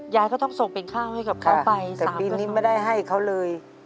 ยายก็ต้องส่งเป็นข้าวให้กับเขาไปแต่ปีนี้ไม่ได้ให้เขาเลย